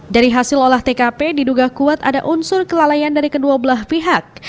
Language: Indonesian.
dari hasil olah tkp diduga kuat ada unsur kelalaian dari kedua belah pihak